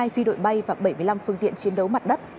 hai phi đội bay và bảy mươi năm phương tiện chiến đấu mặt đất